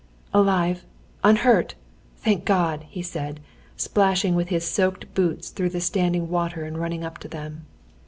"Alive? Unhurt? Thank God!" he said, splashing with his soaked boots through the standing water and running up to them.